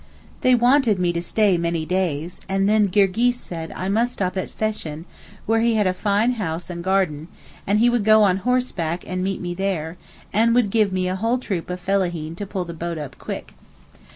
They wanted me to stay many days, and then Girgis said I must stop at Feshn where he had a fine house and garden, and he would go on horseback and meet me there, and would give me a whole troop of Fellaheen to pull the boat up quick.